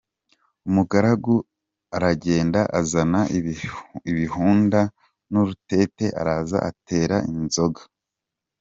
Umugaragu aragenda azana ibihunda n’urutete araza atekera inzoga.